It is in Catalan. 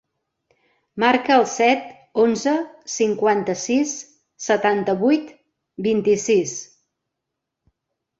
Marca el set, onze, cinquanta-sis, setanta-vuit, vint-i-sis.